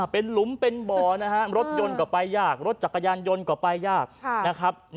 เป็นหลุมเป็นบ่อนะฮะรถยนต์ก็ไปยากรถจักรยานยนต์ก็ไปยากนะครับ